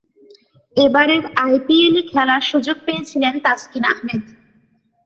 এবারের আইপিএলে খেলার সুযোগ পেয়েছিলেন তাসকিন আহমেদ।